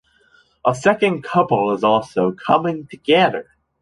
A second couple is also coming together.